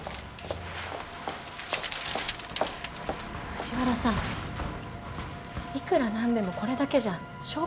藤原さんいくらなんでもこれだけじゃ証拠にならないですよ。